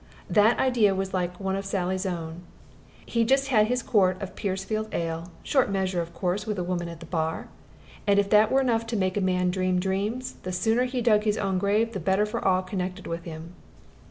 That idea was like one of Sally's own. He just had his quart of Persfield ale short measure, of course, with a woman at the bar and if that were enough to make a man dream dreams, the sooner he dug his own grave, the better for all connected with him."